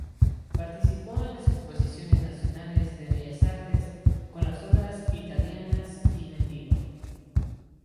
Participó en las Exposiciones Nacionales de Bellas Artes con las obras "Italianas" y "Mendigo".